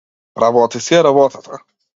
Работи си ја работата.